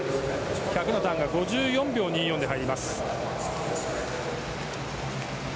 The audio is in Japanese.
１００のターンが５４秒２４で入ります。